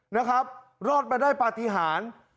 นะครับรอดไปได้ประทิฮาล